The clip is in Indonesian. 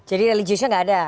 jadi religiusnya gak ada